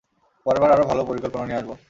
পরেরবার আরো ভালো পরিকল্পনা নিয়ে আসব।